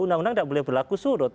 undang undang tidak boleh berlaku surut